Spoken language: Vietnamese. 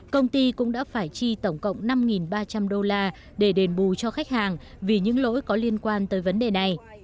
công ty cũng đã phải chi tổng cộng năm ba trăm linh đô la để đền bù cho khách hàng vì những lỗi có liên quan tới vấn đề này